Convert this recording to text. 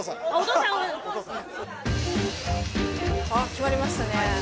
決まりましたね。